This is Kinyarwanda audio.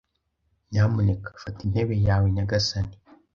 Nyamuneka fata intebe yawe, nyagasani.